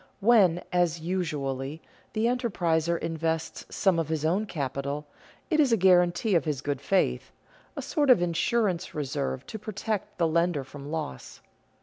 When, as usually, the enterpriser invests some of his own capital, it is a guarantee of his good faith, a sort of insurance reserve to protect the lender from loss.